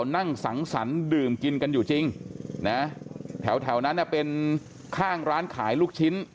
นั่งสังสรรค์ดื่มกินกันอยู่จริงนะแถวนั้นเป็นข้างร้านขายลูกชิ้น